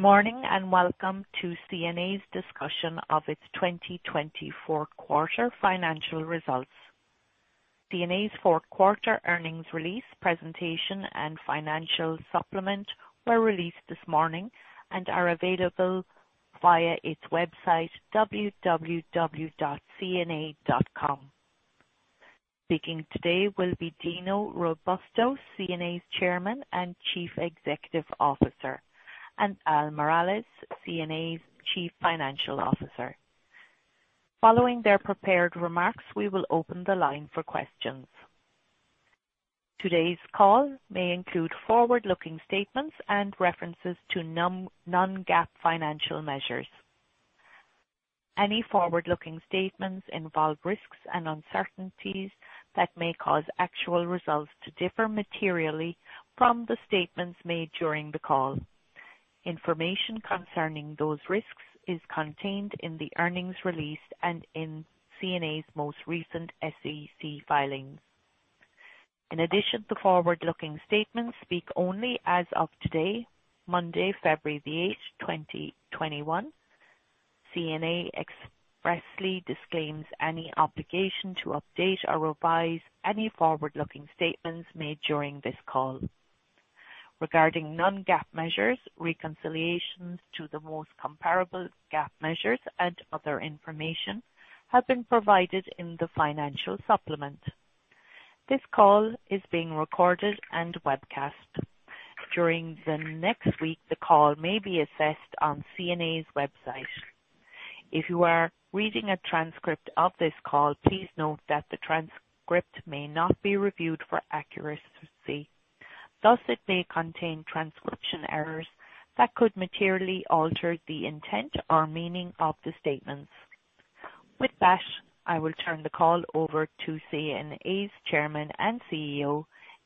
Morning, and welcome to CNA's discussion of its 2020 fourth quarter financial results. CNA's fourth quarter earnings release presentation and financial supplement were released this morning and are available via its website, www.cna.com. Speaking today will be Dino Robusto, CNA's Chairman and Chief Executive Officer, and Al Miralles, CNA's Chief Financial Officer. Following their prepared remarks, we will open the line for questions. Today's call may include forward-looking statements and references to non-GAAP financial measures. Any forward-looking statements involve risks and uncertainties that may cause actual results to differ materially from the statements made during the call. Information concerning those risks is contained in the earnings release and in CNA's most recent SEC filings. In addition to forward-looking statements speak only as of today, Monday, February 8th, 2021. CNA expressly disclaims any obligation to update or revise any forward-looking statements made during this call. Regarding non-GAAP measures, reconciliations to the most comparable GAAP measures and other information have been provided in the financial supplement. This call is being recorded and webcast. During the next week, the call may be accessed on CNA's website. If you are reading a transcript of this call, please note that the transcript may not be reviewed for accuracy. Thus, it may contain transcription errors that could materially alter the intent or meaning of the statements. With that, I will turn the call over to CNA's Chairman and CEO,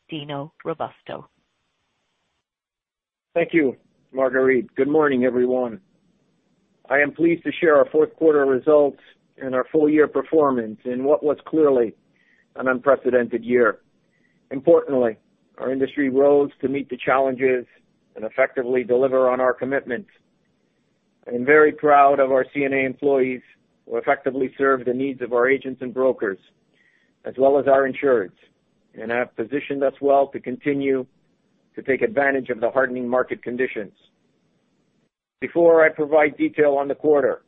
Dino Robusto. Thank you, Marguerite. Good morning, everyone. I am pleased to share our fourth quarter results and our full-year performance in what was clearly an unprecedented year. Importantly, our industry rose to meet the challenges and effectively deliver on our commitments. I am very proud of our CNA employees who effectively served the needs of our agents and brokers, as well as our insureds, and have positioned us well to continue to take advantage of the hardening market conditions. Before I provide detail on the quarter,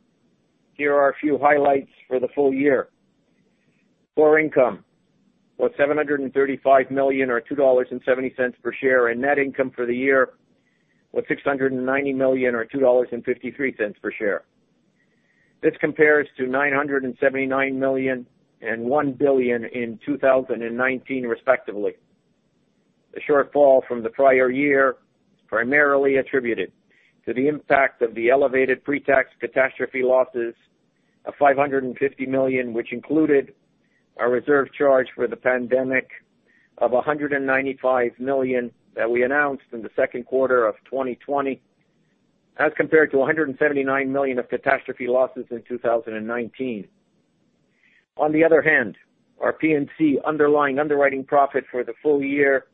here are a few highlights for the full year. Core income was $735 million, or $2.70 per share, and net income for the year was $690 million, or $2.53 per share. This compares to $979 million and $1 billion in 2019, respectively. The shortfall from the prior year primarily attributed to the impact of the elevated pre-tax catastrophe losses of $550 million, which included a reserve charge for the pandemic of $195 million that we announced in the second quarter of 2020, as compared to $179 million of catastrophe losses in 2019. On the other hand, our P&C underlying underwriting profit for the full year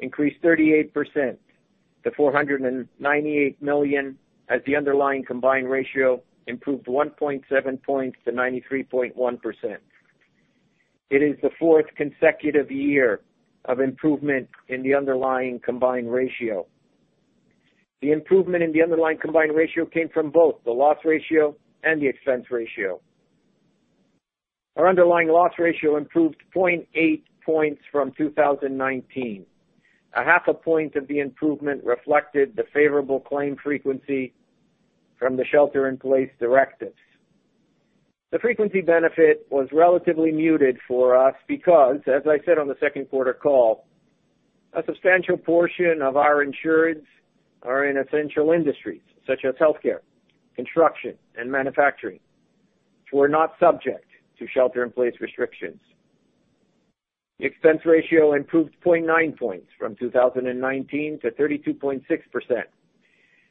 increased 38% to $498 million, as the underlying combined ratio improved 1.7 points to 93.1%. It is the fourth consecutive year of improvement in the underlying combined ratio. The improvement in the underlying combined ratio came from both the loss ratio and the expense ratio. Our underlying loss ratio improved 0.8 points from 2019. A half a point of the improvement reflected the favorable claim frequency from the shelter-in-place directives. The frequency benefit was relatively muted for us because, as I said on the second quarter call, a substantial portion of our insureds are in essential industries such as healthcare, construction, and manufacturing, which were not subject to shelter-in-place restrictions. The expense ratio improved 0.9 points from 2019 to 32.6%,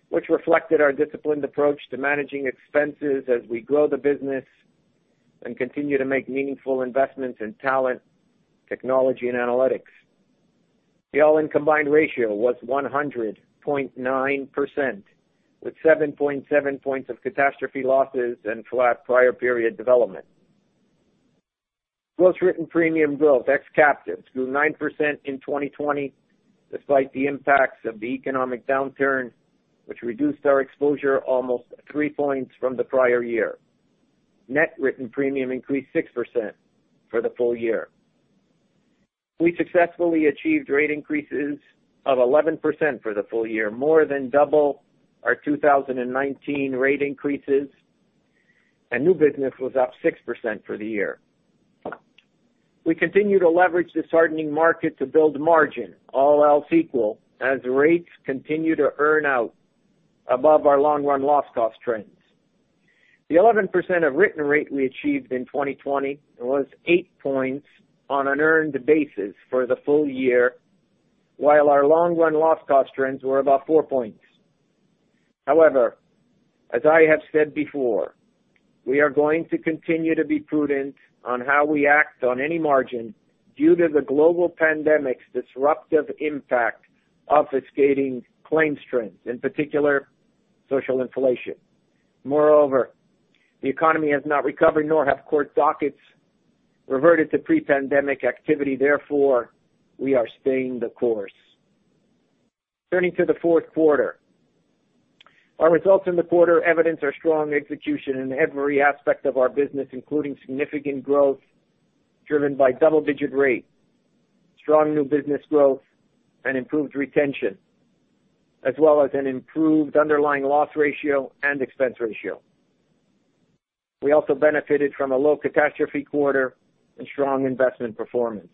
which reflected our disciplined approach to managing expenses as we grow the business and continue to make meaningful investments in talent, technology, and analytics. The all-in combined ratio was 100.9%, with 7.7 points of catastrophe losses and flat prior period development. Gross written premium growth, ex captives, grew 9% in 2020, despite the impacts of the economic downturn, which reduced our exposure almost three points from the prior year. Net written premium increased 6% for the full year. We successfully achieved rate increases of 11% for the full year, more than double our 2019 rate increases, and new business was up 6% for the year. We continue to leverage this hardening market to build margin all else equal, as rates continue to earn out above our long-run loss cost trends. The 11% of written rate we achieved in 2020 was eight points on an earned basis for the full year, while our long-run loss cost trends were about four points. As I have said before, we are going to continue to be prudent on how we act on any margin due to the global pandemic's disruptive impact, obfuscating claim strength, in particular, social inflation. The economy has not recovered, nor have court dockets reverted to pre-pandemic activity, therefore we are staying the course. Turning to the fourth quarter. Our results in the quarter evidence our strong execution in every aspect of our business, including significant growth driven by double-digit rate, strong new business growth, and improved retention, as well as an improved underlying loss ratio and expense ratio. We also benefited from a low catastrophe quarter and strong investment performance.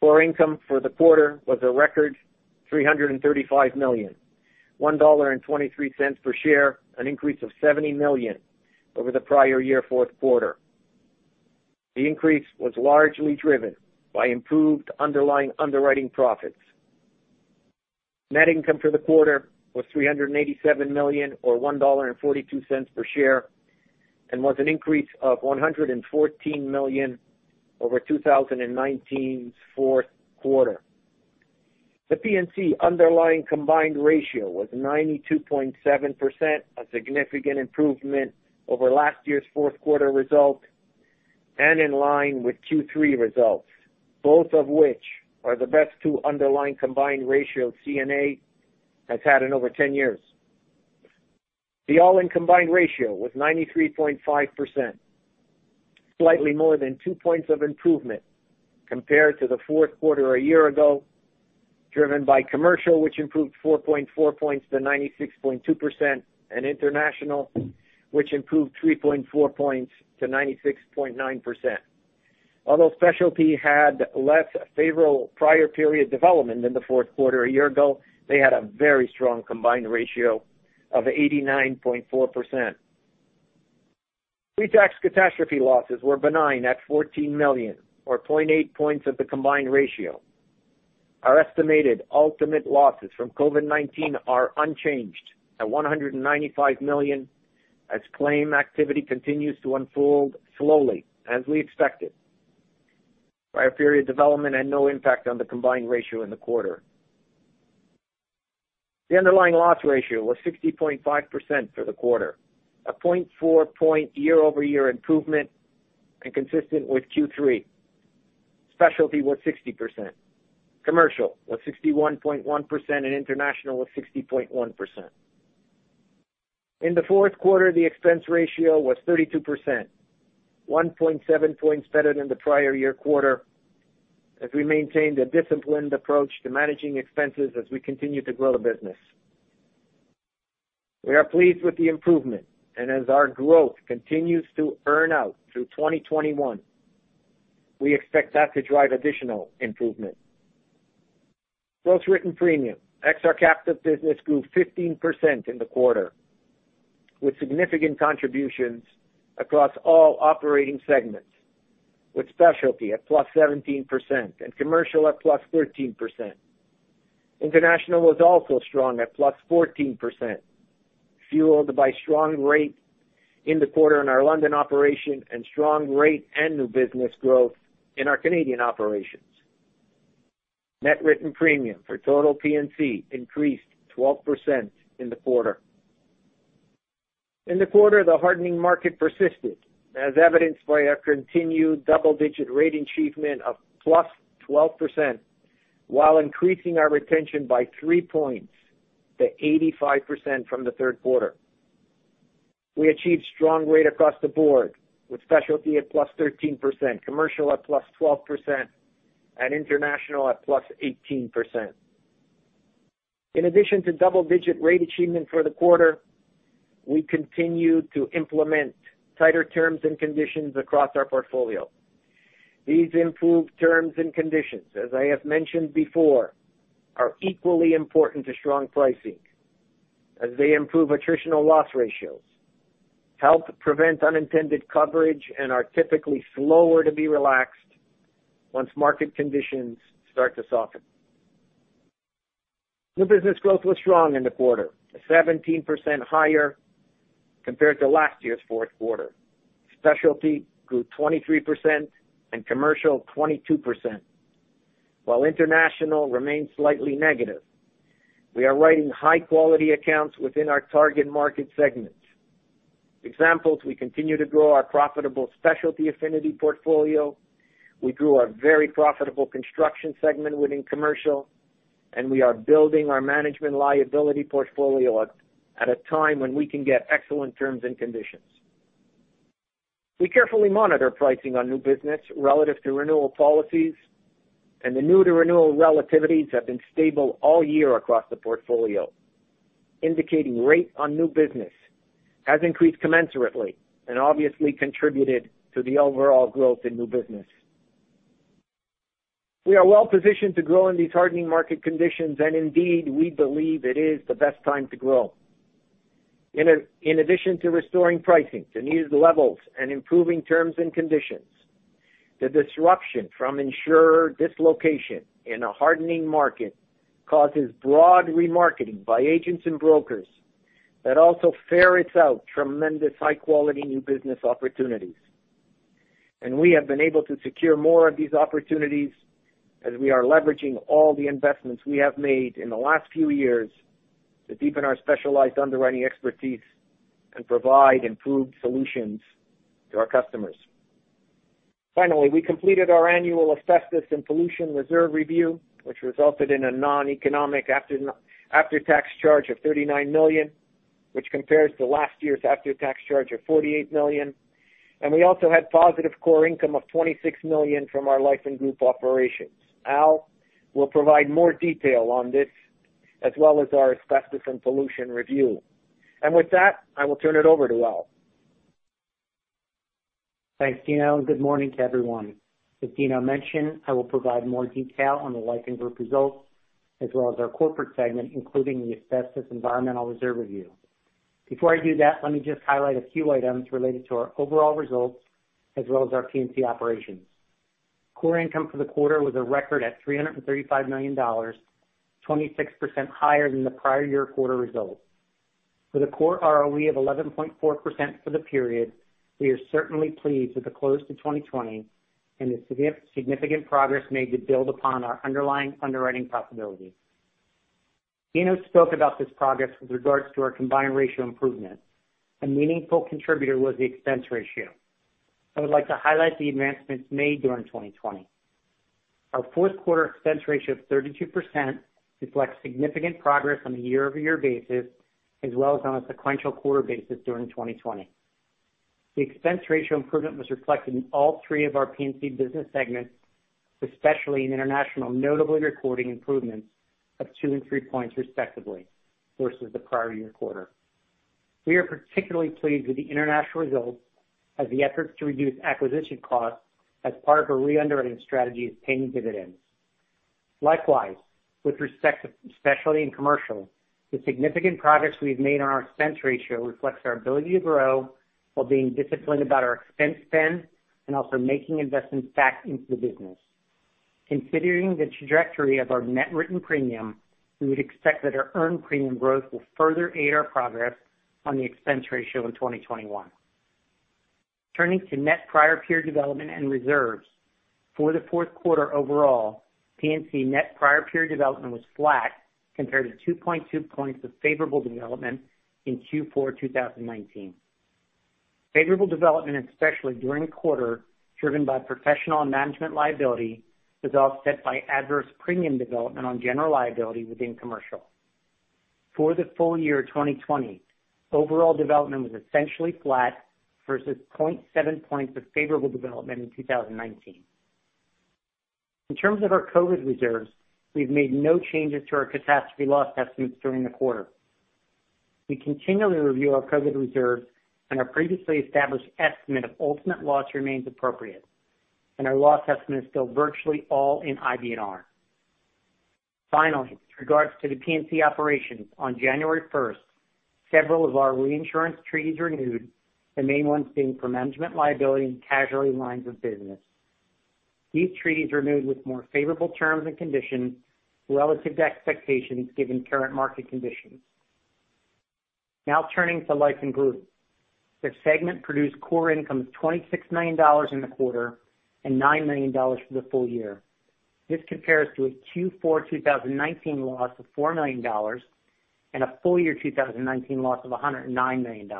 Core income for the quarter was a record $335 million, $1.23 per share, an increase of $70 million over the prior year fourth quarter. Net income for the quarter was $387 million, or $1.42 per share, and was an increase of $114 million over 2019's fourth quarter. The P&C underlying combined ratio was 92.7%, a significant improvement over last year's fourth quarter result, and in line with Q3 results, both of which are the best two underlying combined ratio CNA has had in over 10 years. The all-in combined ratio was 93.5%, slightly more than two points of improvement compared to the fourth quarter a year ago, driven by commercial, which improved 4.4 points to 96.2%, and international, which improved 3.4 points to 96.9%. Although specialty had less favorable prior period development than the fourth quarter a year ago, they had a very strong combined ratio of 89.4%. Pre-tax catastrophe losses were benign at $14 million, or 0.8 points of the combined ratio. Our estimated ultimate losses from COVID-19 are unchanged at $195 million, as claim activity continues to unfold slowly as we expected. Prior period development had no impact on the combined ratio in the quarter. The underlying loss ratio was 60.5% for the quarter, a 0.4-point year-over-year improvement and consistent with Q3. Specialty was 60%, commercial was 61.1%, and international was 60.1%. In the fourth quarter, the expense ratio was 32%, 1.7 points better than the prior year quarter, as we maintained a disciplined approach to managing expenses as we continue to grow the business. We are pleased with the improvement, as our growth continues to earn out through 2021, we expect that to drive additional improvement. Gross written premium, ex our captive business grew 15% in the quarter, with significant contributions across all operating segments, with specialty at +17% and commercial at +13%. International was also strong at +14%, fueled by strong rate in the quarter in our London operation and strong rate and new business growth in our Canadian operations. Net written premium for total P&C increased 12% in the quarter. In the quarter, the hardening market persisted, as evidenced by a continued double-digit rate achievement of +12%, while increasing our retention by 3 points to 85% from the third quarter. We achieved strong rate across the board with specialty at +13%, commercial at +12%, and international at +18%. In addition to double-digit rate achievement for the quarter, we continued to implement tighter terms and conditions across our portfolio. These improved terms and conditions, as I have mentioned before, are equally important to strong pricing as they improve attritional loss ratios, help prevent unintended coverage, and are typically slower to be relaxed once market conditions start to soften. New business growth was strong in the quarter, 17% higher compared to last year's fourth quarter. Specialty grew 23% and commercial 22%, while international remained slightly negative. We are writing high-quality accounts within our target market segments. Examples, we continue to grow our profitable specialty affinity portfolio, we grew our very profitable construction segment within commercial, and we are building our management liability portfolio at a time when we can get excellent terms and conditions. We carefully monitor pricing on new business relative to renewal policies, and the new to renewal relativities have been stable all year across the portfolio, indicating rate on new business has increased commensurately and obviously contributed to the overall growth in new business. We are well-positioned to grow in these hardening market conditions, and indeed, we believe it is the best time to grow. In addition to restoring pricing to new levels and improving terms and conditions. The disruption from insurer dislocation in a hardening market causes broad remarketing by agents and brokers that also ferrets out tremendous high-quality new business opportunities. We have been able to secure more of these opportunities as we are leveraging all the investments we have made in the last few years to deepen our specialized underwriting expertise and provide improved solutions to our customers. Finally, we completed our annual asbestos environmental reserve review, which resulted in a noneconomic after-tax charge of $39 million, which compares to last year's after-tax charge of $48 million. We also had positive core income of $26 million from our life and group operations. Al will provide more detail on this, as well as our asbestos environmental reserve review. With that, I will turn it over to Al. Thanks, Dino, and good morning to everyone. As Dino mentioned, I will provide more detail on the life and group results, as well as our corporate segment, including the asbestos environmental reserve review. Before I do that, let me just highlight a few items related to our overall results, as well as our P&C operations. core income for the quarter was a record at $335 million, 26% higher than the prior year quarter results. With a core ROE of 11.4% for the period, we are certainly pleased with the close to 2020 and the significant progress made to build upon our underlying underwriting profitability. Dino spoke about this progress with regards to our combined ratio improvement. A meaningful contributor was the expense ratio. I would like to highlight the advancements made during 2020. Our fourth quarter expense ratio of 32% reflects significant progress on a year-over-year basis, as well as on a sequential quarter basis during 2020. The expense ratio improvement was reflected in all three of our P&C business segments, especially in international, notably recording improvements of two and three points respectively, versus the prior year quarter. We are particularly pleased with the international results as the efforts to reduce acquisition costs as part of a re-underwriting strategy is paying dividends. Likewise, with respect to specialty and commercial, the significant progress we've made on our expense ratio reflects our ability to grow while being disciplined about our expense spend and also making investments back into the business. Considering the trajectory of our net written premium, we would expect that our earned premium growth will further aid our progress on the expense ratio in 2021. Turning to net prior period development and reserves. For the fourth quarter overall, P&C net prior period development was flat compared to 2.2 points of favorable development in Q4 2019. Favorable development, especially during the quarter, driven by professional and management liability, was offset by adverse premium development on general liability within commercial. For the full year 2020, overall development was essentially flat versus 0.7 points of favorable development in 2019. In terms of our COVID reserves, we've made no changes to our catastrophe loss estimates during the quarter. We continually review our COVID reserves, and our previously established estimate of ultimate loss remains appropriate. Our loss estimate is still virtually all in IBNR. Finally, with regards to the P&C operations on January 1st, several of our reinsurance treaties renewed, the main ones being for management liability and casualty lines of business. These treaties renewed with more favorable terms and conditions relative to expectations, given current market conditions. Turning to life and group. The segment produced core income of $26 million in the quarter and $9 million for the full year. This compares to a Q4 2019 loss of $4 million and a full year 2019 loss of $109 million.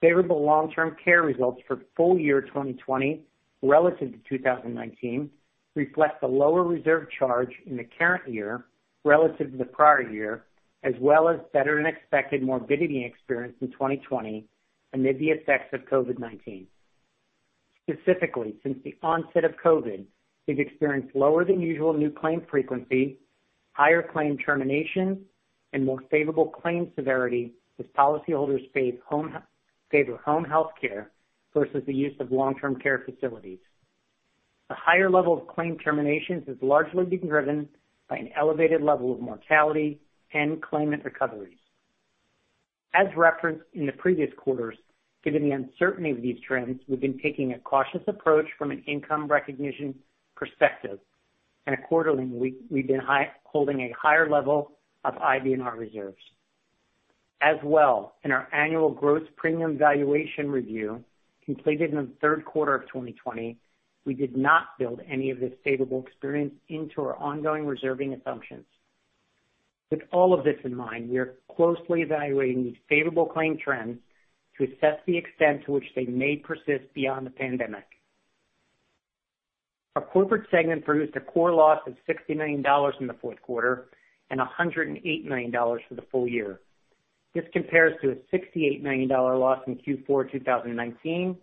Favorable long-term care results for full year 2020, relative to 2019, reflect a lower reserve charge in the current year relative to the prior year, as well as better-than-expected morbidity experience in 2020 amid the effects of COVID-19. Specifically, since the onset of COVID, we've experienced lower-than-usual new claim frequency, higher claim terminations, and more favorable claim severity as policyholders favor home healthcare versus the use of long-term care facilities. The higher level of claim terminations has largely been driven by an elevated level of mortality and claimant recoveries. As referenced in the previous quarters, given the uncertainty of these trends, we've been taking a cautious approach from an income recognition perspective, quarterly, we've been holding a higher level of IBNR reserves. In our annual gross premium valuation review, completed in the third quarter of 2020, we did not build any of this favorable experience into our ongoing reserving assumptions. With all of this in mind, we are closely evaluating these favorable claim trends to assess the extent to which they may persist beyond the pandemic. Our corporate segment produced a core loss of $60 million in the fourth quarter and $108 million for the full year. This compares to a $68 million loss in Q4 2019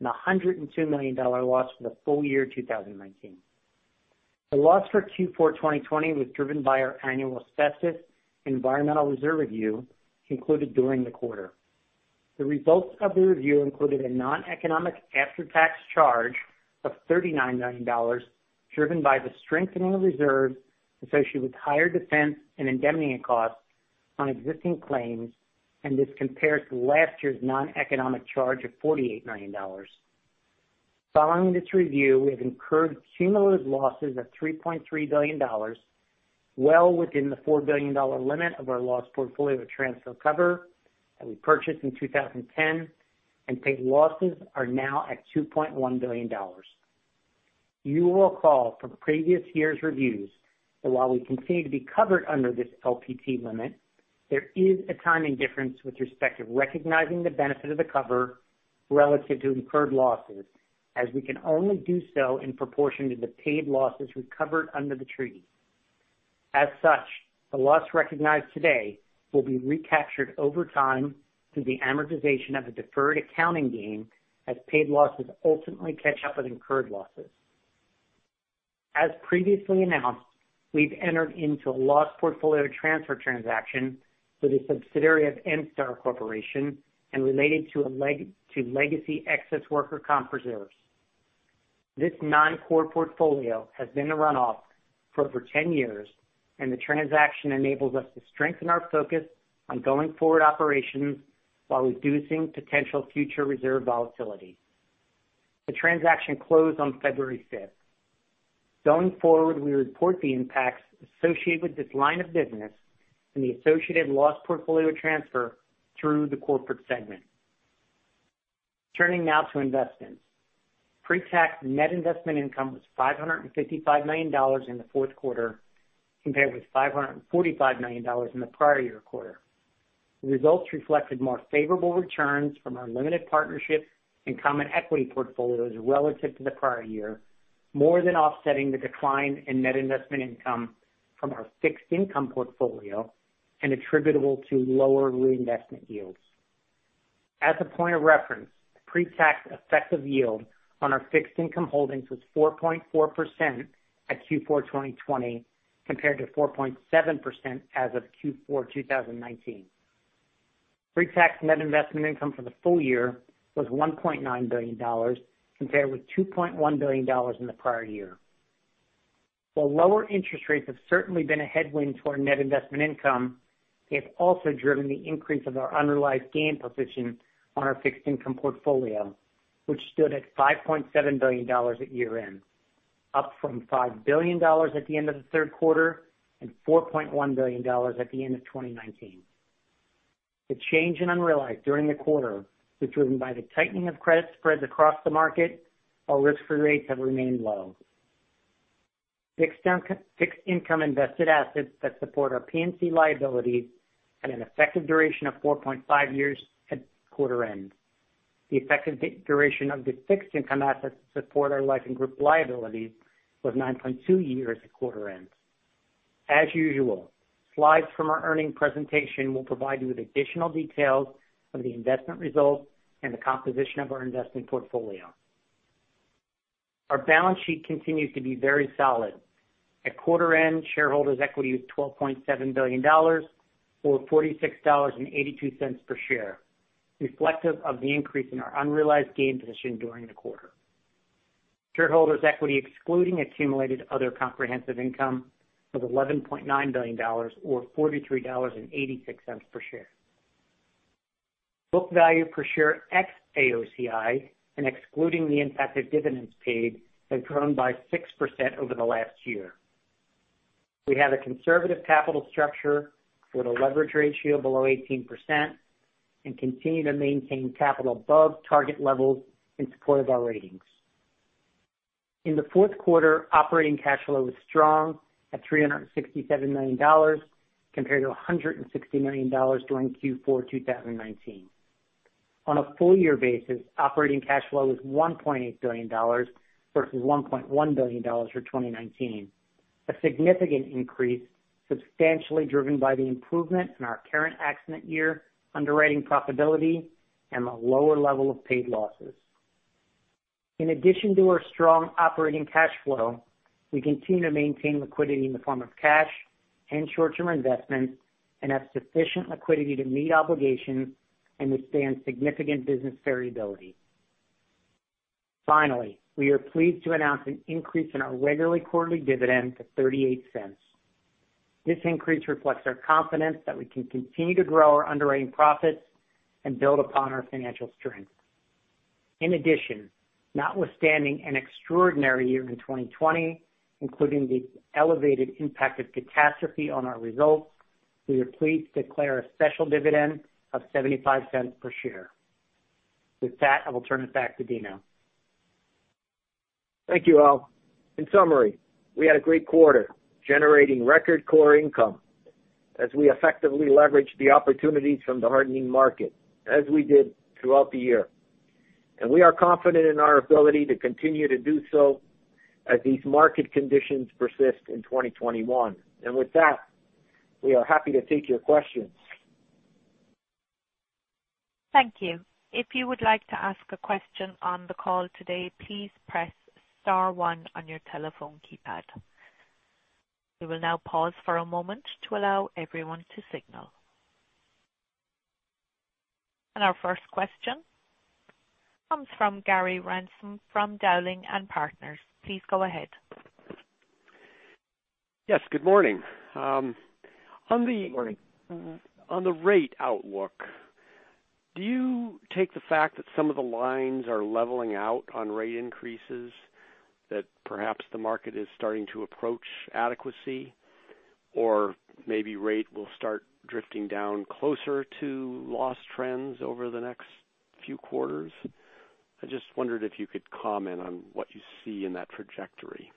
and a $102 million loss for the full year 2019. The loss for Q4 2020 was driven by our annual asbestos environmental reserve review concluded during the quarter. The results of the review included a noneconomic after-tax charge of $39 million, driven by the strengthening of reserves associated with higher defense and indemnity costs on existing claims. This compares to last year's noneconomic charge of $48 million. Following this review, we have incurred cumulative losses of $3.3 billion, well within the $4 billion limit of our loss portfolio transfer cover that we purchased in 2010, and paid losses are now at $2.1 billion. You will recall from previous years' reviews that while we continue to be covered under this LPT limit, there is a timing difference with respect to recognizing the benefit of the cover relative to incurred losses, as we can only do so in proportion to the paid losses recovered under the treaty. As such, the loss recognized today will be recaptured over time through the amortization of the deferred accounting gain as paid losses ultimately catch up with incurred losses. As previously announced, we've entered into a loss portfolio transfer transaction with a subsidiary of Enstar Corporation and related to legacy excess worker comp reserves. This non-core portfolio has been a run-off for over 10 years, and the transaction enables us to strengthen our focus on going-forward operations while reducing potential future reserve volatility. The transaction closed on February 5th. Going forward, we report the impacts associated with this line of business and the associated loss portfolio transfer through the corporate segment. Turning now to investments. Pre-tax net investment income was $555 million in the fourth quarter compared with $545 million in the prior year quarter. The results reflected more favorable returns from our limited partnership and common equity portfolios relative to the prior year, more than offsetting the decline in net investment income from our fixed income portfolio and attributable to lower reinvestment yields. As a point of reference, pre-tax effective yield on our fixed income holdings was 4.4% at Q4 2020 compared to 4.7% as of Q4 2019. Pre-tax net investment income for the full year was $1.9 billion compared with $2.1 billion in the prior year. While lower interest rates have certainly been a headwind to our net investment income, they have also driven the increase of our unrealized gain position on our fixed income portfolio, which stood at $5.7 billion at year-end, up from $5 billion at the end of the third quarter and $4.1 billion at the end of 2019. The change in unrealized during the quarter was driven by the tightening of credit spreads across the market, while risk-free rates have remained low. Fixed income invested assets that support our P&C liabilities had an effective duration of 4.5 years at quarter end. The effective duration of the fixed income assets to support our life and group liabilities was 9.2 years at quarter end. As usual, slides from our earnings presentation will provide you with additional details of the investment results and the composition of our investment portfolio. Our balance sheet continues to be very solid. At quarter end, shareholders' equity was $12.7 billion, or $46.82 per share, reflective of the increase in our unrealized gain position during the quarter. Shareholders' equity excluding accumulated other comprehensive income was $11.9 billion, or $43.86 per share. Book value per share ex AOCI and excluding the impact of dividends paid has grown by 6% over the last year. We have a conservative capital structure with a leverage ratio below 18% and continue to maintain capital above target levels in support of our ratings. In the fourth quarter, operating cash flow was strong at $367 million compared to $160 million during Q4 2019. On a full year basis, operating cash flow was $1.8 billion versus $1.1 billion for 2019, a significant increase substantially driven by the improvement in our current accident year underwriting profitability and the lower level of paid losses. In addition to our strong operating cash flow, we continue to maintain liquidity in the form of cash and short-term investments and have sufficient liquidity to meet obligations and withstand significant business variability. Finally, we are pleased to announce an increase in our regularly quarterly dividend to $0.38. This increase reflects our confidence that we can continue to grow our underwriting profits and build upon our financial strength. In addition, notwithstanding an extraordinary year in 2020, including the elevated impact of catastrophe on our results, we are pleased to declare a special dividend of $0.75 per share. With that, I will turn it back to Dino. Thank you, Al. In summary, we had a great quarter, generating record core income as we effectively leveraged the opportunities from the hardening market, as we did throughout the year. We are confident in our ability to continue to do so as these market conditions persist in 2021. With that, we are happy to take your questions. Thank you. If you would like to ask a question on the call today, please press star one on your telephone keypad. We will now pause for a moment to allow everyone to signal. Our first question comes from Gary Ransom, from Dowling & Partners. Please go ahead. Yes, good morning. Good morning. On the rate outlook, do you take the fact that some of the lines are leveling out on rate increases, that perhaps the market is starting to approach adequacy? Maybe rate will start drifting down closer to loss trends over the next few quarters? I just wondered if you could comment on what you see in that trajectory.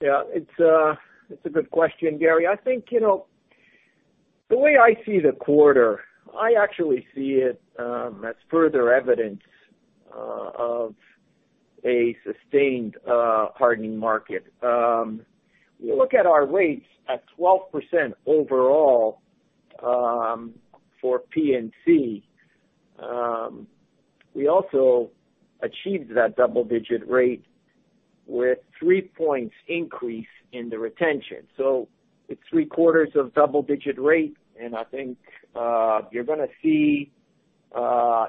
It's a good question, Gary. I think, the way I see the quarter, I actually see it as further evidence of a sustained hardening market. We look at our rates at 12% overall, for P&C. We also achieved that double-digit rate with three points increase in the retention. It's three-quarters of double-digit rate, and I think you're going to see,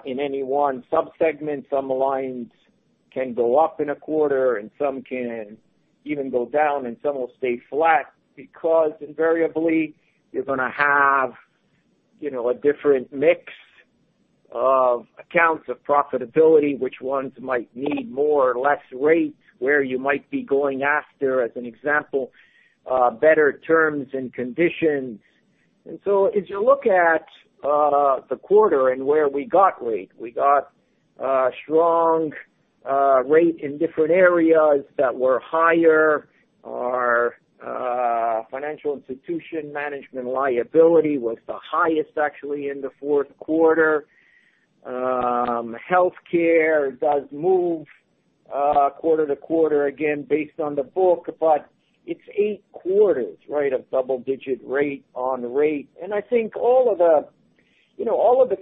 in any one sub-segment, some lines can go up in a quarter and some can even go down, and some will stay flat, because invariably, you're going to have a different mix of accounts of profitability, which ones might need more or less rates. Where you might be going after, as an example, better terms and conditions. As you look at the quarter and where we got rate, we got strong rate in different areas that were higher. Our financial institution management liability was the highest, actually, in the fourth quarter. Healthcare does move quarter to quarter, again, based on the book, but it's eight quarters, right, of double-digit rate on rate. I think all of the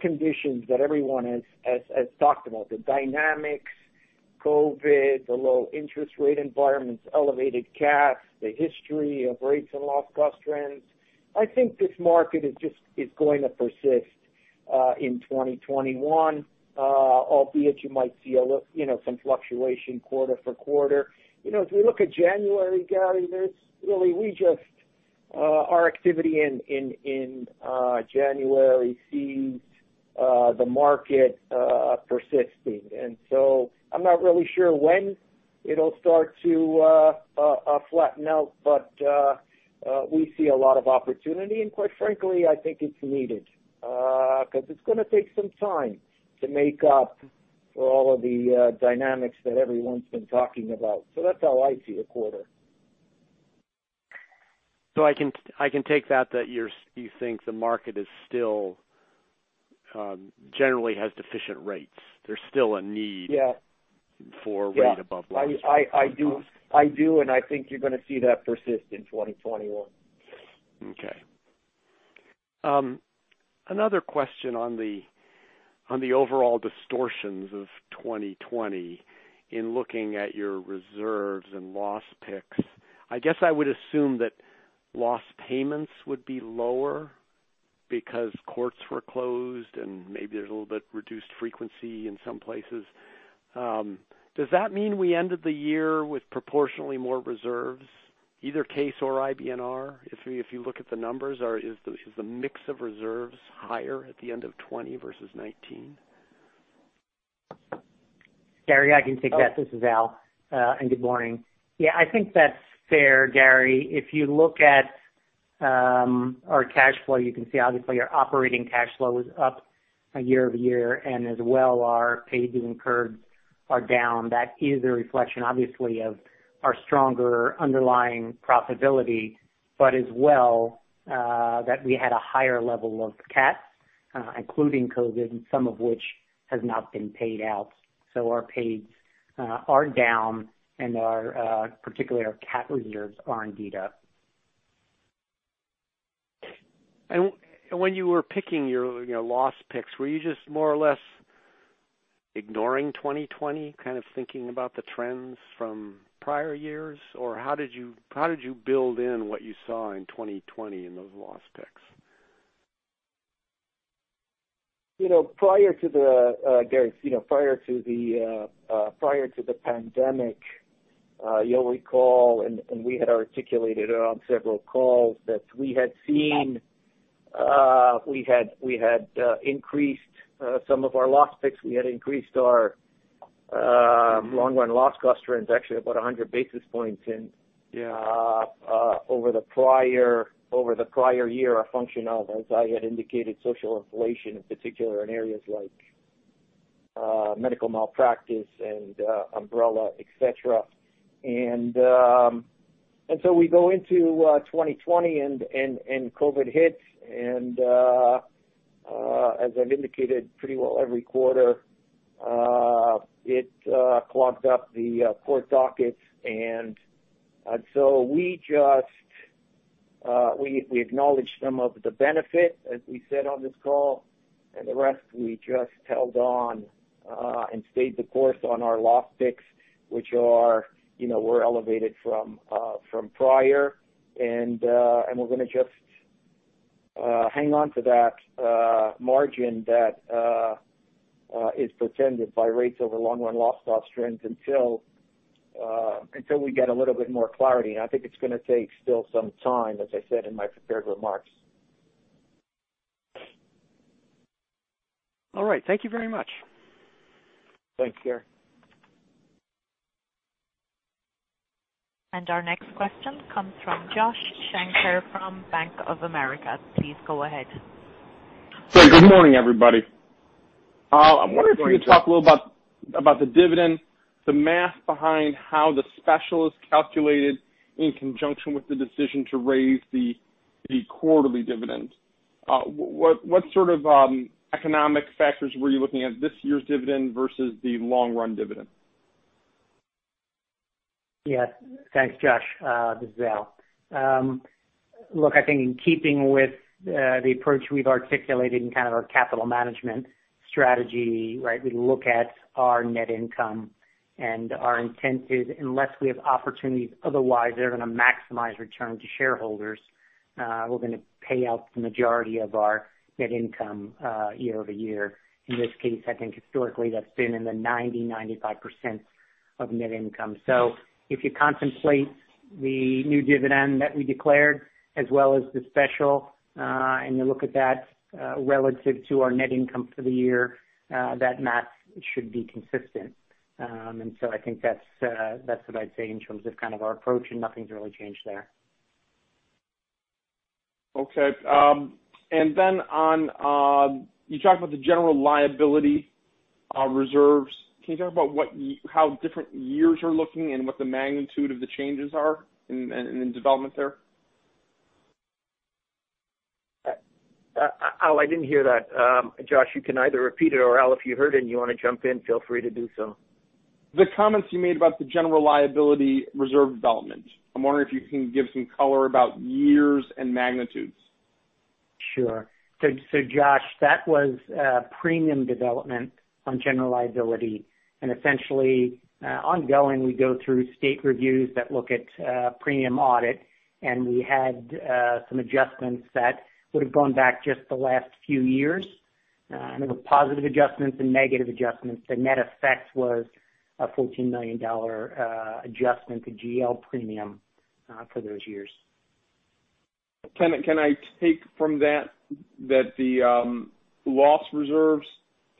conditions that everyone has talked about, the dynamics, COVID, the low interest rate environments, elevated CATs, the history of rates and loss cost trends. I think this market is going to persist in 2021, albeit you might see some fluctuation quarter for quarter. If we look at January, Gary, our activity in January sees the market persisting. I'm not really sure when it'll start to flatten out, but we see a lot of opportunity, and quite frankly, I think it's needed. Because it's going to take some time to make up for all of the dynamics that everyone's been talking about. That's how I see the quarter. I can take that you think the market still generally has deficient rates. There's still a need for rate above loss. Yeah. I do, and I think you're going to see that persist in 2021. Okay. Another question on the overall distortions of 2020, in looking at your reserves and loss picks. I guess I would assume that loss payments would be lower because courts were closed, and maybe there's a little bit reduced frequency in some places. Does that mean we ended the year with proportionally more reserves, either case or IBNR? If you look at the numbers, is the mix of reserves higher at the end of 2020 versus 2019? Gary, I can take that. This is Al. Good morning. Yeah, I think that's fair, Gary. If you look at our cash flow, you can see obviously our operating cash flow is up year-over-year. As well, our paid and incurred are down. That is a reflection, obviously, of our stronger underlying profitability. As well, that we had a higher level of CAT, including COVID, some of which has not been paid out. Our paid are down. Particularly, our CAT reserves are indeed up. When you were picking your loss picks, were you just more or less ignoring 2020? Kind of thinking about the trends from prior years, or how did you build in what you saw in 2020 in those loss picks? Gary, prior to the pandemic, you'll recall, we had articulated it on several calls, that we had increased some of our loss picks. We had increased our long run loss cost trends, actually, about 100 basis points over the prior year, a function of, as I had indicated, social inflation in particular in areas like medical malpractice and umbrella, et cetera. We go into 2020 and COVID hits, and as I've indicated pretty well every quarter, it clogged up the court dockets. We acknowledged some of the benefit, as we said on this call, and the rest, we just held on and stayed the course on our loss picks, which were elevated from prior. We're going to Hang on to that margin that is presented by rates over long run loss cost trends until we get a little bit more clarity, and I think it's going to take still some time, as I said in my prepared remarks. All right. Thank you very much. Thanks, Gary. Our next question comes from Josh Shanker from Bank of America. Please go ahead. Good morning, everybody. I'm wondering if you could talk a little about the dividend, the math behind how the specialist calculated in conjunction with the decision to raise the quarterly dividend. What sort of economic factors were you looking at this year's dividend versus the long-run dividend? Yes. Thanks, Josh. This is Al. I think in keeping with the approach we've articulated in our capital management strategy, we look at our net income, our intent is, unless we have opportunities otherwise that are going to maximize return to shareholders, we're going to pay out the majority of our net income year-over-year. In this case, I think historically, that's been in the 90%, 95% of net income. If you contemplate the new dividend that we declared as well as the special, you look at that relative to our net income for the year, that math should be consistent. I think that's what I'd say in terms of our approach and nothing's really changed there. Okay. You talked about the general liability reserves. Can you talk about how different years are looking and what the magnitude of the changes are and the development there? Al, I didn't hear that. Josh, you can either repeat it or Al, if you heard it and you want to jump in, feel free to do so. The comments you made about the general liability reserve development. I'm wondering if you can give some color about years and magnitudes. Sure. Josh, that was premium development on general liability, essentially, ongoing, we go through state reviews that look at premium audit, we had some adjustments that would've gone back just the last few years. There were positive adjustments and negative adjustments. The net effect was a $14 million adjustment to GL premium for those years. Can I take from that the loss reserves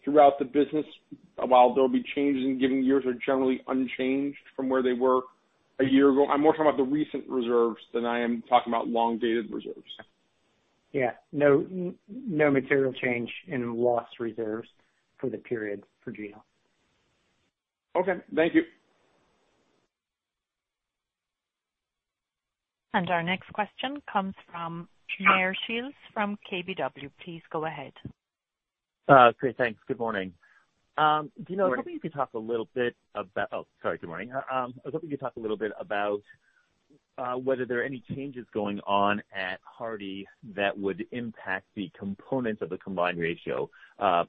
throughout the business, while there will be changes in given years, are generally unchanged from where they were a year ago? I am more talking about the recent reserves than I am talking about long-dated reserves. No material change in loss reserves for the period for GL. Okay. Thank you. Our next question comes from Meyer Shields from KBW. Please go ahead. Great. Thanks. Good morning. Good morning. Oh, sorry, good morning. I was hoping you could talk a little bit about whether there are any changes going on at Hardy that would impact the components of the combined ratio. I'm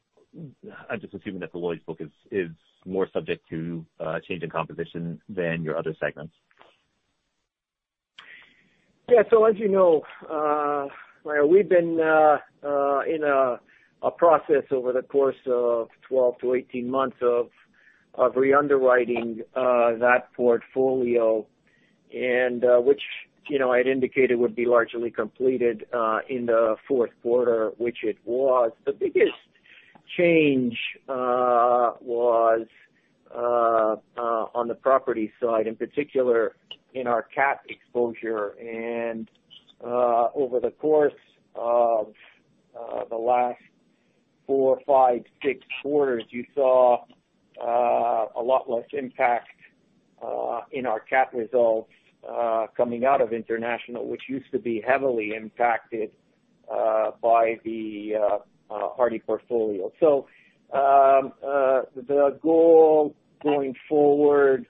just assuming that the Lloyd's book is more subject to change in composition than your other segments. As you know, Meyer, we've been in a process over the course of 12 to 18 months of re-underwriting that portfolio, and which I'd indicated would be largely completed in the fourth quarter, which it was. The biggest change was on the property side, in particular in our cat exposure. Over the course of the last four, five, six quarters, you saw a lot less impact in our cat results coming out of international, which used to be heavily impacted by the Hardy portfolio. The goal going forward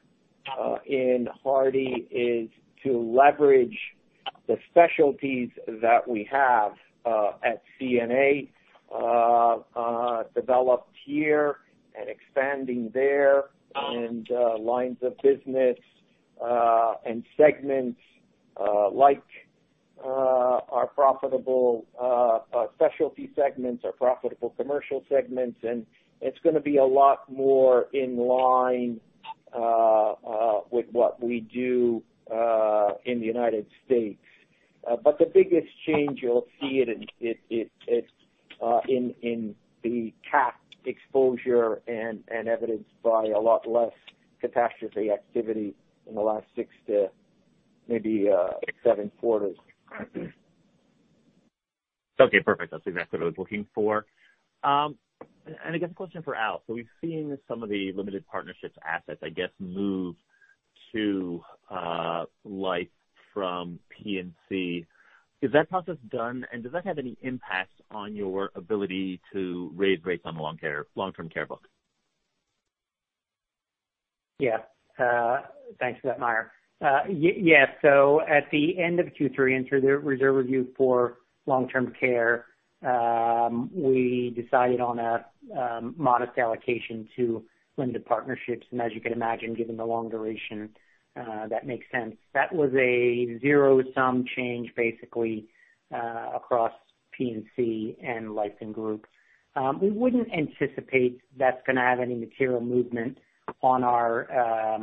in Hardy is to leverage the specialties that we have at CNA, developed here and expanding there and lines of business, and segments like our profitable specialty segments, our profitable commercial segments. It's going to be a lot more in line with what we do in the United States. The biggest change you'll see it in the cat exposure and evidenced by a lot less catastrophe activity in the last six to maybe seven quarters. I guess a question for Al. We've seen some of the limited partnerships assets, I guess, move to life from P&C. Is that process done, and does that have any impact on your ability to raise rates on the long-term care book? Yeah. Thanks for that, Meyer. At the end of Q3 and through the reserve review for long-term care, we decided on a modest allocation to limited partnerships, and as you can imagine, given the long duration, that makes sense. That was a zero-sum change, basically, across P&C and life and group. We wouldn't anticipate that's going to have any material movement on our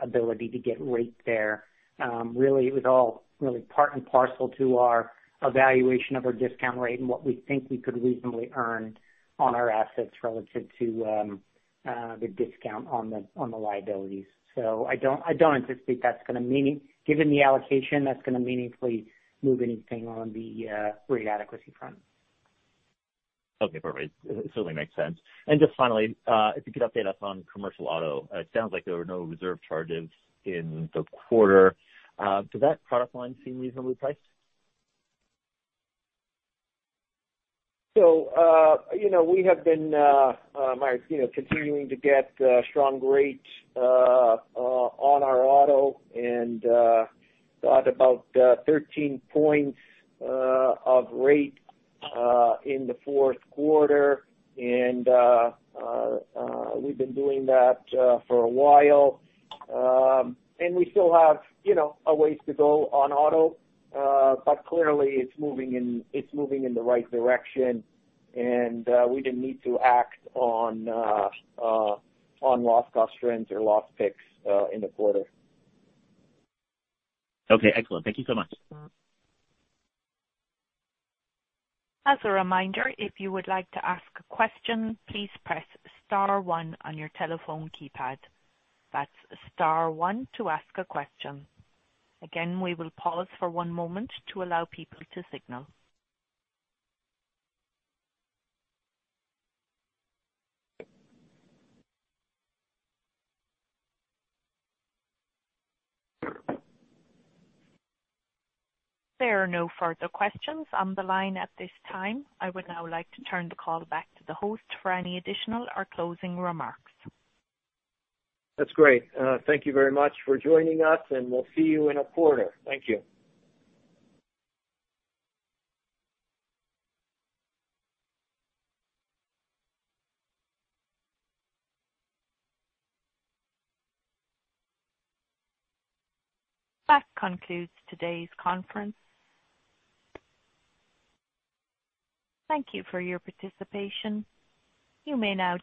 ability to get rate there. Really, it was all part and parcel to our evaluation of our discount rate and what we think we could reasonably earn on our assets relative to the discount on the liabilities. I don't anticipate, given the allocation, that's going to meaningfully move anything on the rate adequacy front. Okay, perfect. It certainly makes sense. Just finally, if you could update us on commercial auto. It sounds like there were no reserve charges in the quarter. Does that product line seem reasonably priced? We have been, Meyer, continuing to get strong rates on our auto and got about 13 points of rate in the fourth quarter. We've been doing that for a while. We still have a ways to go on auto. Clearly, it's moving in the right direction, and we didn't need to act on loss cost trends or loss picks in the quarter. Okay, excellent. Thank you so much. As a reminder, if you would like to ask a question, please press star one on your telephone keypad. That's star one to ask a question. Again, we will pause for one moment to allow people to signal. There are no further questions on the line at this time. I would now like to turn the call back to the host for any additional or closing remarks. That's great. Thank you very much for joining us, and we'll see you in a quarter. Thank you. That concludes today's conference. Thank you for your participation. You may now disconnect.